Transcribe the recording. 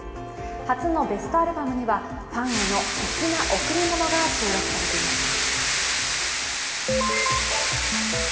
初のベストアルバムにはファンへの粋な贈り物が収録されていました。